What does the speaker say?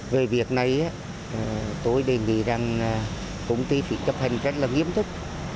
về việc này tôi đề nghị rằng công ty phải chấp hành rất là nghiêm túc